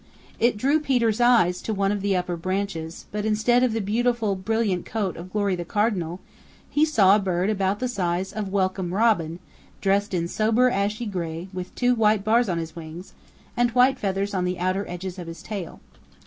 It drew Peter's eyes to one of the upper branches, but instead of the beautiful, brilliant coat of Glory the Cardinal he saw a bird about the size of Welcome Robin dressed in sober ashy gray with two white bars on his wings, and white feathers on the outer edges of his tail.